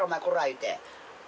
言うて。